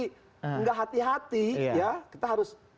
tidak hati hati ya kita harus